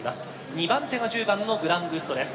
２番手が１０番のグラングストです。